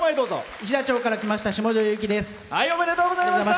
石田町から来ましたしもじょうです。